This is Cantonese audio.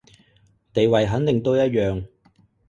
地位肯定都一樣